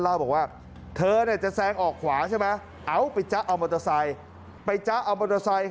เล่าบอกว่าเธอจะแซงออกขวาใช่ไหมไปจ๊ะเอามอเตอร์ไซค์